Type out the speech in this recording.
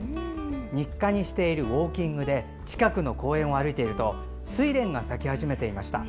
日課にしているウォーキングで近くの公園を歩いているとスイレンが咲き始めていました。